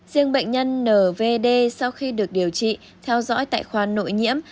riêng bệnh nhân nvd sau khi được điều trị theo dõi tại khoa nội nhiễm